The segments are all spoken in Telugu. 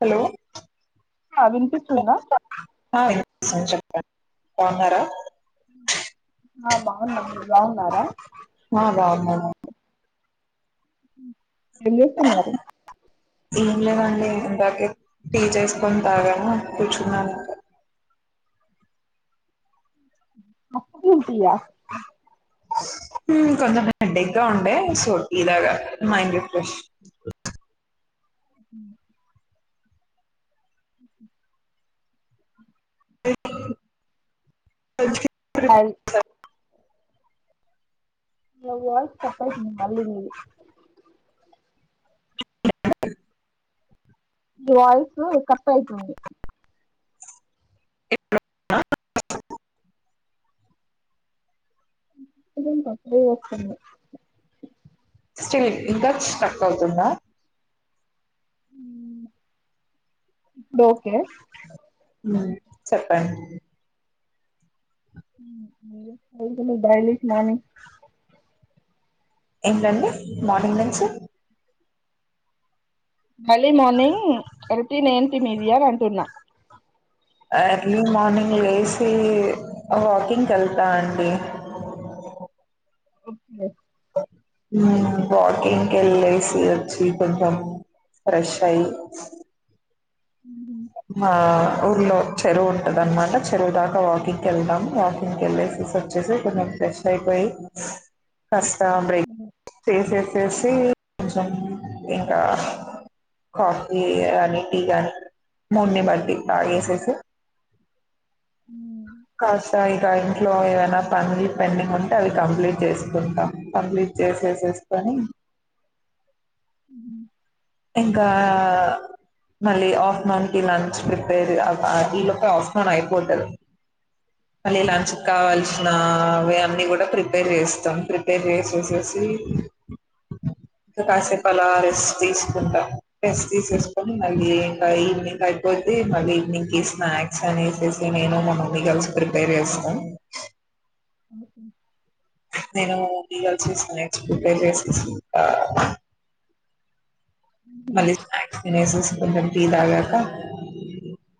హలో ఆ వినిపిస్తుందా కొంచం [unintelligible] బాగున్నారా ఆ బాగున్నా మీరు బాగున్నారా బాగున్నాము ఏం చేస్తున్నారు ఏం లేదండి ఇందాకే టీ చేసుకొని తాగాను కూర్చున్నాను అప్పు కుంటియా కొంచెం హెడేక్ గా ఉండే సో టీ తాగ మైండ్ రిఫ్రెష్ అ అ బాయ్ [unintelligible] ఇ వాయిసు స్ట్రక్ అయితుంది మళ్ళీ మీది [unintelligible] మీ వాయిసు కట్ అవుతుంది [unintelligible] [inaudible] స్టిల్ ఇంకా స్ట్రక్ అవుతుందా డు ఓకే చెప్పండి [unintelligible] మార్నింగ్ ఏంలండి మార్నింగ్ నుంచి అర్లీ మార్నింగ్ రోటీన్ ఏంటి మీది అని అంటున్నా ఎర్లీ మార్నింగ్ లేసి వాకింగ్ వెళ్తా అండి ఓకే వాకింగ్ కి వెళ్ళేసి వచ్చి కొంచెం ఫ్రెష్ అయ్యి మా ఉర్లో చెరువు ఉంటద అన్నమాట చెరువు దాకా వాకింగ్ క వెళ్దాము వాకింగ్కి వెళ్లేేసి వచ్చేసి కొంచెం ఫ్రెష్ అయిపోయి కాస్త బ్రేక్ తీసెస్ చేసి కొంచెం ఇంకా కాఫీ అని టీ కాని మూడ్ని బట్టి తాగేసేసి కాస్త ఇక ఇంట్లో ఏవైనా పని పెండింగ్ ఉంటే అవి కంప్లీట్ చేసుకుంటాం కంప్లీట్ చేసేసేసుకొని ఉ ఇంకా మళ్ళీ ఆఫ్టర్నూన్ కి లంచ్ ప్రిపేర్ ఈ లోపు ఆఫ్టర్నూన్ అయిపోతది మళ్లీ లంచ్ కి కావాల్సిన వే అన్ని కూడా ప్రిపేర్ చేస్తాం ప్రిపేర్ చేసేసేసి అలా రెస్ట్ తీస్ కుంటా రెస్ట్ తీసేసుకొని మళ్ళీ ఇంకా ఈవినింగ్ అయిపోతే మళ్ళీ ఈవినింగ్ క స్నాక్స్ అ నైటు నేను మా మమ్మీ కలిసి ప్రిపేర్ చేస్తా ఉహు నేను క చేసి నెక్స్ట్ ప్రిపేర్ చేసేసి ఇంకా మళ్ళీ స్నాక్స్ తినేసేసి కొంచెం టీ తాగాక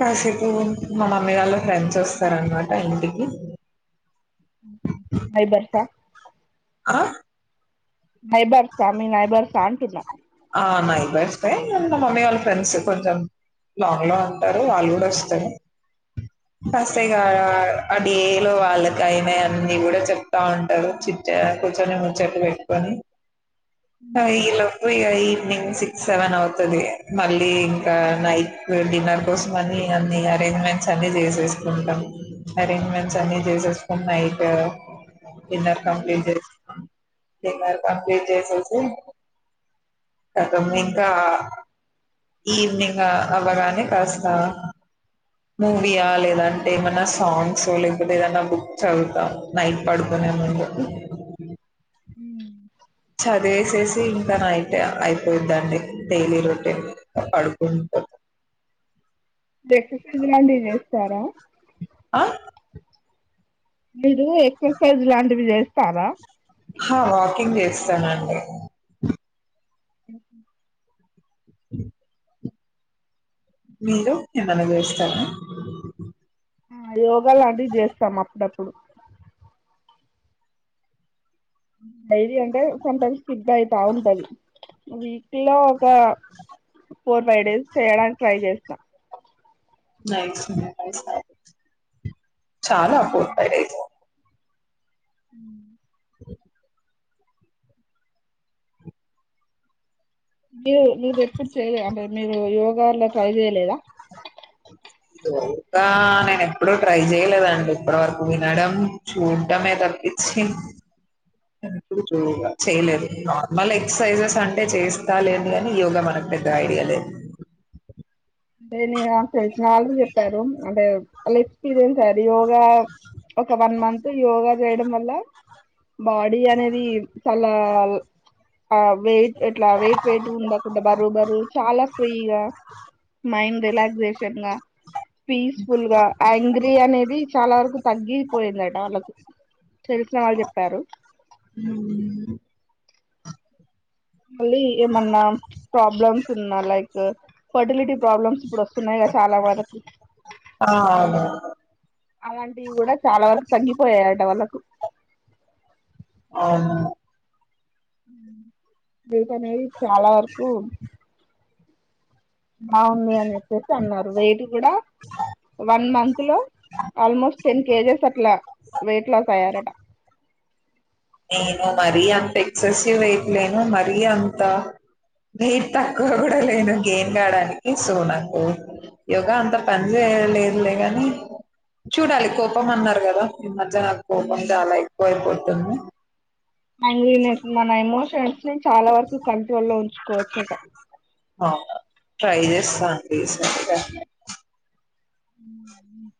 కాసేపు మా మమ్మీ వాళ్ళ ఫ్రెండ్స్ వస్తారనమాట ఇంటికి నైబర్సా ఆ నైబర్స మీ నైబర్స అంటున్నా ఆ నైబర్స మమ్మీ వాళ్ళ ఫ్రెండ్స్ కొంచెం మాంగ్ లో అంటారు వాళ్ళు కూడా వస్తారు కసేక అన్ ఏలో వాళ్ళకి అయినాయి అన్న కూడా చెప్తా ఉంటారు చిచ్చ కూర్చొని ముచ్చట్ పెట్టుకొని ఆ మ్మ్. ఇలోపు ఇగ ఈ ఈవినింగ్ సిక్స్ సెవెన్ అవుతది మళ్ళీ ఇంకా నైట్ డిన్నర్ కోసం అని అన్ని అరి రేంజ్మెంట్స్ అన్ని చేసేసుకుంటాం అరేంజ్మెంట్స్ అన్ని చేసేసుకునీ నైటు డిన్నర్ కంప్లీట్ చే మ్మ్. డిన్నర్ కంప్లీట్ చేసేసి కతం ఇంకా ఈవినింగ్ అవ్వగానే కాస్తా మూవీయా లేదంటే ఏమన్నా సాంగ్స్ లేకపోతే ఏదన్నా బుక్ చదువుతా నైట్ పడుకనే మున్ ఉ చదివేసేసి ఇంకా నైట్ అయిపోద్దండి డైలీ రొటీన్ పడుకుంట ఎక్సర్సైజ్ లాంటివి చేస్తారా ఆ మీరు ఎక్సర్సైజ్ లాంటివి చేస్తారా హా వాకింగ్ చేస్తానండి ఉ ఉ మీరు ఏమన్నా చేస్తార యోగా లాంటివి చేస్తాం అప్పుడప్పుడు డైలీ అంటే సంటైమ్స్ స్కిప్ అయితా ఉంటది వీక్ లో ఒక ఫోర్ ఫైవ్ డేస్ చేయడానికి ట్రై చేస్తా నైస్ నైస్ చాలా అపో టైము ఉ అ మీరు మీరు ఎప్పుడు చేయలే అంటే మీరు యోగాలో ట్రై చేయలేదా? ఆ నేను ఎప్పుడూ ట్రై చేయలేదండి. ఇప్పటి వరకు వినడం చూడటం ఏ తప్ప. ఇచ్చమ్ చేయలేదు నార్మల్ ఎక్సర్సైజెస్ అంటే చేస్తా లేండి. గాని యోగా మనకు పెద్ద ఐడియా లేదు. అంటే నే నాకు తెలిసిన వాళ్ళకి చెప్పారు. అంటే వాళ్ళ ఎక్స్పీరియన్స్ అది యోగా ఒక వన్ మంత్ యోగా చేయడం వల్ల బాడీ అనేది చాలా ఆ వెయిట్ ఎట్లా వెయిట్ వెయిట్ ఉండకుండా బరువు బరువు చాలా ఫ్రీగా మైండ్ రిలాక్సేషన్ గా పీస్ఫుల్ గా యాంగ్రీ అనేది చాలా వరకు తగ్గిపోయిందట వాళ్ళకు. తెలిసిన వాళ్ళు చెప్పారు. మళ్ళీ ఏమన్నా ప్రాబ్లమ్స్ ఉన్నా, లైక్ ఫర్టిలిటీ ప్రాబ్లమ్స్ ఇప్పుడు వస్తున్నాయి కదా, చాలా వరకు ఆ అవును అలాంటివి కూడా చాలా వరకు తగ్గిపోయాయి అంట వాళ్ళకు. అవునా? వెయిట్ అనేది చాలా వరకు బాగుంది అని చెప్పేసి అన్నారు. వెయిట్ కూడా వన్ మంత్ లో ఆల్మోస్ట్ టెన్ కేజెస్ అట్లా వెయిట్ లాస్ అయ్యారట. నేను మరీ అంత ఎక్సెసివ్ వెయిట్లేను. మరీ అంత వెయిట్ తక్కువ కూడా లేను. గెయిన్ కాడానికి సో నాకు యోగా అంత పని చే లేదులే కానీ చూడాలి కోపం అన్నారు కదా, ఈ మధ్య నాకు కోపం చాలా ఎక్కువ అయిపోతుంది. మన ఎమోషన్స్ ని చాలా వరకు కంట్రోల్లో ఉంచుకోవచ్చట. ఆ ట్రై చేస్తా అండి ఈ సా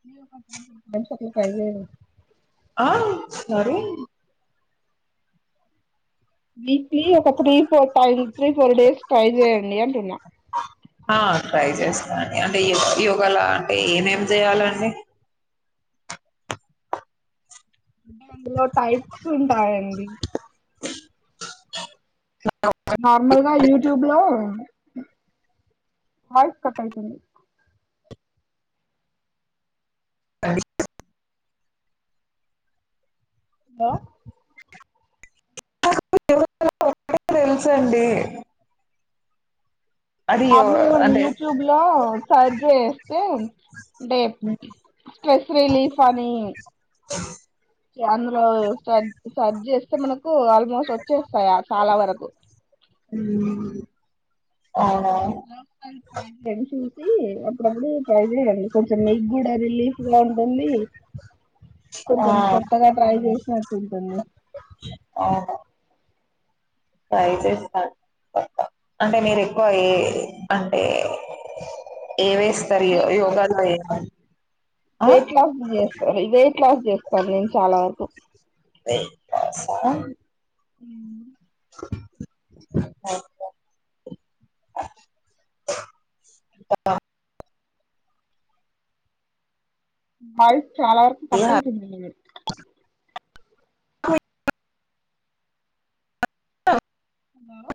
సరే ఒక సార్ ట్రై చేయండి. ఆ సరే. వీక్లీ ఒక త్రీ ఫోర్ టై త్రీ ఫోర్ డేస్ ట్రై చేయండి అంటున్నా. ఆ ట్రై చేస్తానండి అంటే యో యోగా అంటే ఏమేమి చేయాలండి? అ అందులో టైప్స్ ఉంటాయండి. [unintelligible] నార్మల్గా యూట్యూబ్ లో హ కటయితుని [unintelligible] అ [unintelligible] హలో! తెలుసండి అది యో నార్మల్గా అంటే యూట్యూబ్ లో సర్చ్ చేస్తే అంటే స్ట్రెస్ రిలీఫ్ అని అందులో సర్చ్ చేస్తే మనకు ఆల్మోస్ట్ వచ్చేస్తాయి చాలా వరకు. అ [inaudible] ట్రై చూసి అప్పుడప్పుడు ట్రై చేయండి కొంచెం మీకు కూడా తెలుస్తాది. రిలీఫ్గా ఉంటుంది. ఆ కొంచెం కొత్తగా ట్రై చేసినట్టు ఉంటుంది. అవును ట్రై చేస్తాను. అంటే మీరు ఎక్కువ ఏ అంటే ఏ వేస్ సరే యోగా చేయ్ వెయిట్ లాస్ చేస్తారు వెయిట్ లాస్ చేస్తాను నేను చాలా వరకు. వెయిట్ లాసా మ్ అ బాన్నవ వాయిస్ చాలా వరకు కట్ అయితుంది నీది ఆ హలో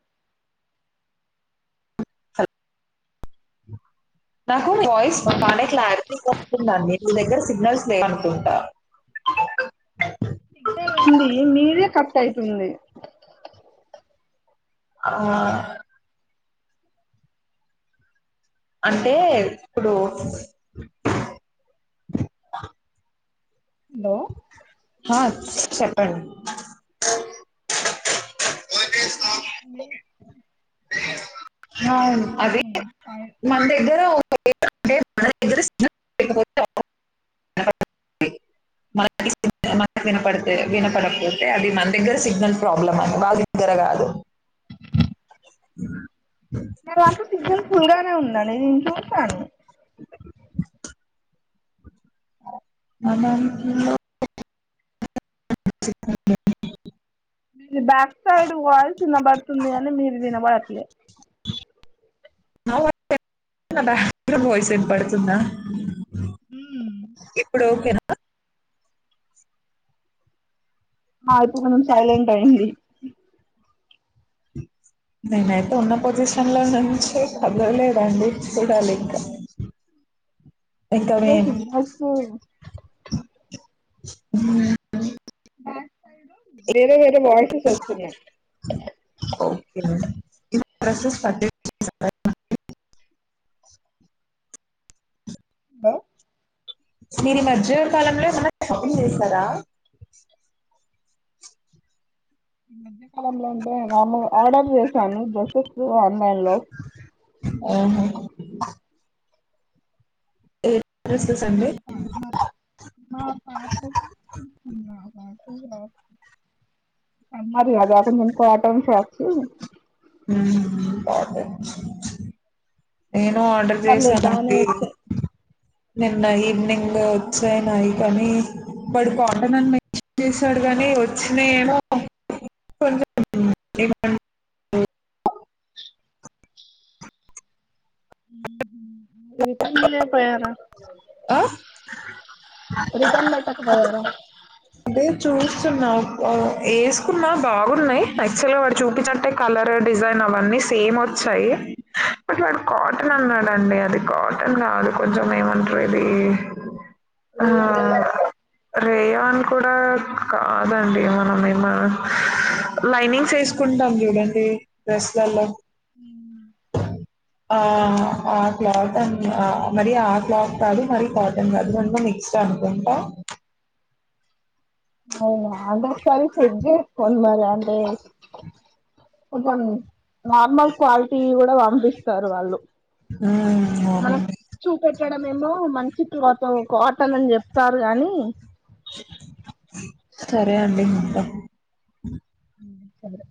హ నాకు వాయిస్ బాగానే క్లారిటీ వస్తుంది అండి మీ దగ్గర సిగ్నల్స్ లేవనుకుంటా సిగ్నల్ ఉంది మీదే కట్ అయితుంది ఆ అంటే ఇప్పుడు హలో హా చెప్పండి హా అండి అది మన దగ్గర మన దగ్గర సిగ్నల్ లేకపోతే విన ప [inaudible] ట్లే మన [inaudible] మనకి వినపడట్లేదు వినపడట్లేదులే అది మన దగ్గర సిగ్నల్ ప్రాబ్లం అని వాళ్ళ దగ్గర కాదు అ నా దాంట్లో సిగ్నల్ ఫుల్ గానే ఉండాలి చూసాను అవున ఓ సిగ్నల్ లే దు మీ బ్యాక్ సైడ్ వాయిస్ వినబడుతుంది కానీ మీ ది వినబడట్లే నా [inaudible] నా బ్యాక్ సైడ్ వాయిస్ వినపడుతుంద ఇప్పుడు ఓకేనా ఆ ఇప్పుడు కొంచెం సైలెంట్ అయింది నేనైతే ఉన్న పొజిషన్ లో నుంచి కదలేదండి చూడాలి ఇంకా ఇంకా ఏ సి బస్ ఆ బ్యాక్ సైడు వేరే వేరే వాయిసెస్ వస్తున్నాయ్ ఇది [inaudible] హ మీరు ఈ మధ్య కాలంలో ఏమన్న షాపింగ్ చేసారా ఈ మధ్యకాలంలో అంటే దాన్లో ఆర్డర్ చేశాను డ్రెస్సెస్ ఒ ఆన్లైన్ లో ఏ మా పాప మా పాపు మా బాబు నెమ్మదిగ అది రాకుండ ఇంకో అయిటెమ్స్ వచ్చి మ్మ్ నేను ఆర్డర్ పర్లేదు బానే చేసానండి వచ్చాయి నిన్న ఈవినింగ్ వచ్చాయి నాయి కానీ వాడు కాటన్ అని చేసాడు కాని వచ్చినీయ్ ఏమో కొ [inaudible] రిటన్ ఇయలే పోయరా ఆ? రిటన్ పెట్టక పోయర అదే చూస్తున్నా ఎసుకున్నా బాగునాయ్ యాక్చుల్ గ వాడు చూపిచ్చినట్టే కలర్ డిజైన్ అవన్నీ సేమ్ వచ్చాయి కాటన్ అన్నాడండి అది కాటన్ కాదు కొంచెం ఏమంటారు ఇది ఆ రే అంట రేయాన్ కూడా కాదండి మనమేమ లైనింగ్స్ ఎసుకుంటాం చూడండి డ్రెస్లలో ఆ ఆ క్లాత్ అన్ ఆ మరి ఆ క్లాత్ కాదు మరి కాటన్ కాదు రెండు మిక్స్డ్ అనుకుంటా అవునా అది ఒకసారి చెక్ చేస్కోండి మరి అంటే అ కొంచం నార్మల్ క్వాలిటీ కూడా పంపిస్తారు వాళ్ళు ఉమ్ అవునండి ఇక్కడ మేము మంచి క్లోతు కాటన్ అని చెప్తారు గాని సరే అండి ఉంటా ఉ సరే